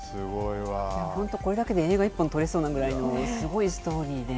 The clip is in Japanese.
本当これだけで映画１本撮れそうなぐらいのすごいストーリーで。